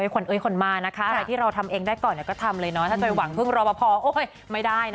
ขนเอ้ยขนมานะคะอะไรที่เราทำเองได้ก่อนก็ทำเลยเนาะถ้าจะหวังพึ่งรอปภไม่ได้นะ